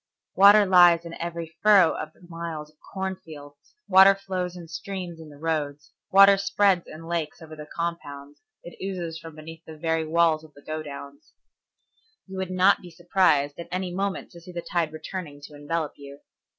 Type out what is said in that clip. Water lies in every furrow of the miles of cornfields, water flows in streams in the roads, water spreads in lakes over the compounds, it oozes from beneath the very walls of the go downs. You would not be surprised at any moment to see the tide returning to envelop you.